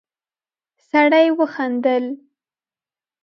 سړی وخندل.